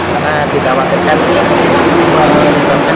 karena tidak waktukan